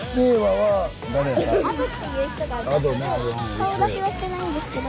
顔出しはしてないんですけど。